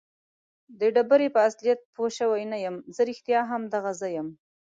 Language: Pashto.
د ډبرې په اصلیت پوه شوی نه یم. زه رښتیا هم دغه زه یم؟